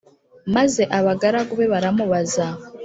Maze abagaragu be baramubaza